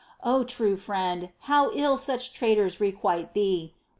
3. O true Friend, how ill such traitors requite Thee